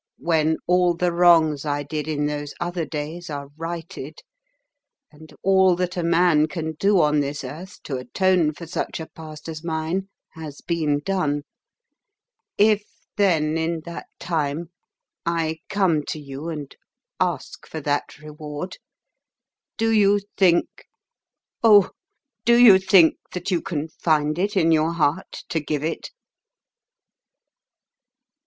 when all the wrongs I did in those other days are righted, and all that a man can do on this earth to atone for such a past as mine has been done ... if then, in that time, I come to you and ask for that reward, do you think, oh, do you think that you can find it in your heart to give it?"